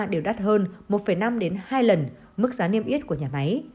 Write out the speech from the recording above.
đều đắt hơn một năm đến hai lần mức giá niêm yết của nhà máy